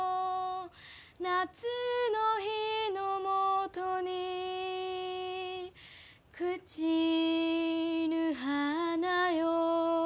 「夏の日のもとに朽ちぬ花よ」